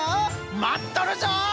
まっとるぞ！